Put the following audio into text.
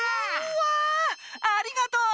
うわありがとう！